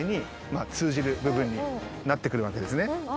部分になって来るわけですね。